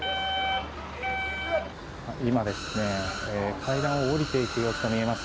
今、階段を下りていく様子が見えます。